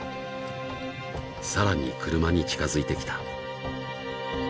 ［さらに車に近づいてきた］